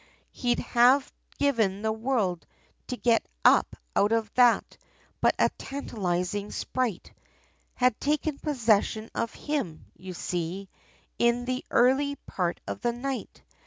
He'd have given the world, to get up out of that, But a tantalising sprite, Had taken possession of him, you see, In the early part of the night.